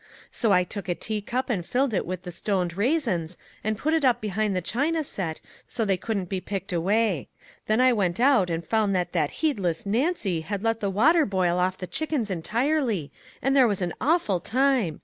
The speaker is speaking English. So I took a teacup and filled it with the stoned raisins, and put it up behind the china tea set 127 MAG AND MARGARET so they couldn't be picked away. Then I went out and found that that heedless Nancy had let the water boil off the chickens entirely, and there was an awful time